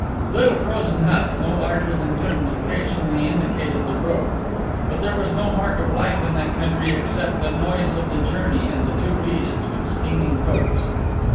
Little frozen huts, no larger than tombs, occasionally indicated the road, but there was no mark of life in that country except the noise of the journey and the two beasts with steaming coats.